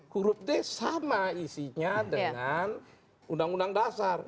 huruf d sama isinya dengan undang undang dasar